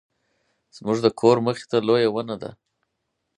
زموږ د کور مخې ته لویه ونه ده